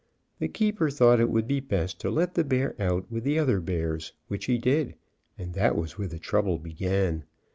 The keeper thought it would be best to let the bear out with the other bears, which he did, and that was where the trouble began.